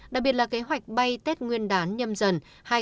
đặc biệt là kế hoạch bay tết nguyên đán nhâm dần hai nghìn hai mươi